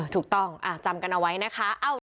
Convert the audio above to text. ถูกต้องจำกันเอาไว้นะคะ